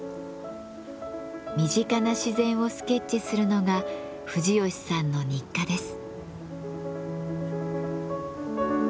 身近な自然をスケッチするのが藤吉さんの日課です。